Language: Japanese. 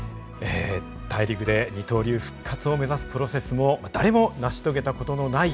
二刀流復活を目指すプロセスも誰も成し遂げたことのない挑戦です。